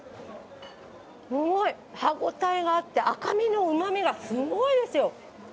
すごい、歯応えがあって、赤身のうまみがすごいですよ。